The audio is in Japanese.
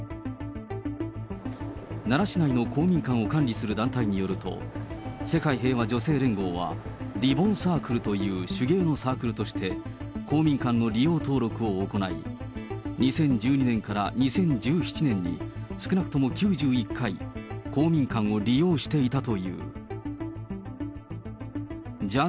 奈良市内の公民館を管理する団体によると、世界平和女性連合は、リボンサークルという手芸のサークルとして、公民館の利用登録を行い、２０１２年から２０１７年に、少なくとも９１回、公民館を利用していたという。